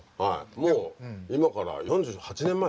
もう今から４８年前？